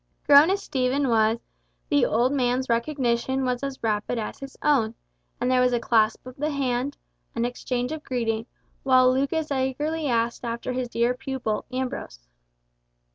Grown as Stephen was, the old man's recognition was as rapid as his own, and there was a clasp of the hand, an exchange of greeting, while Lucas eagerly asked after his dear pupil, Ambrose.